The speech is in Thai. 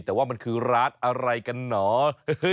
แต่ว่ามันคือร้านอะไรกันเหรอ